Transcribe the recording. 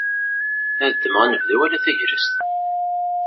Ad ddmeɣ anebdu wala tagrest.